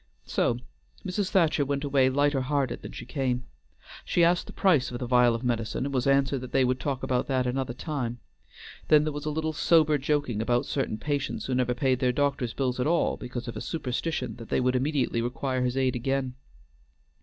So Mrs. Thacher went away lighter hearted than she came. She asked the price of the vial of medicine, and was answered that they would talk about that another time; then there was a little sober joking about certain patients who never paid their doctor's bills at all because of a superstition that they would immediately require his aid again.